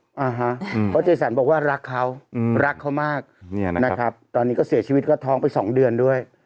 เพราะเจสันบอกว่ารักเขารักเขามากนะครับตอนนี้ก็เสียชีวิตก็ท้องไปสองเดือนด้วย